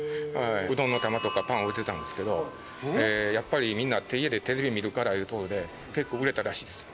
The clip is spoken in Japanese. うどんの玉とかパンを売ってたんですけどやっぱりみんな家でテレビ見るからいう事で結構売れたらしいです。